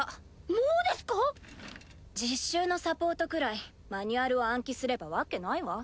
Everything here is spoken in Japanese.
もうですか⁉実習のサポートくらいマニュアルを暗記すれば訳ないわ。